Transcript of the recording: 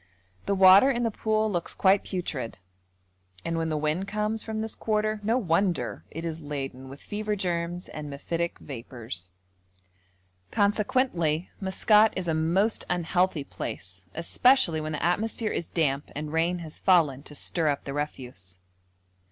The water in the pool looks quite putrid, and when the wind comes from this quarter no wonder it is laden with fever germs and mephitic vapours. Consequently, Maskat is a most unhealthy place, especially when the atmosphere is damp and rain has fallen to stir up the refuse.